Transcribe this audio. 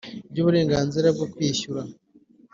Ry uburenganzira bwo kwishyura